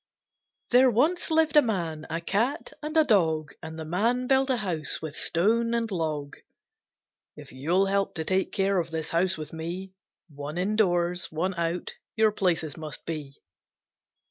THERE once lived a Man, a Cat, and a Dog, And the Man built a house with stone and log. "If you'll help to take care of this house with me, One indoors, one out, your places must be."